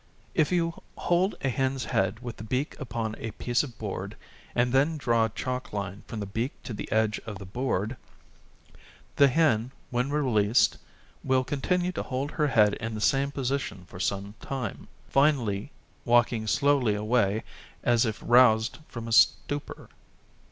If you hold a hen's head with the beak upon a piece of board, and then draw a chalk line from the beak to the edge of the board, the hen when released will continue to hold her head in the same position for some time, finally walking slowly away, as if roused from a stupor.